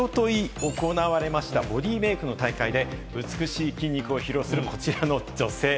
おととい行われましたボディメイクの大会で美しい筋肉を披露する、こちらの女性。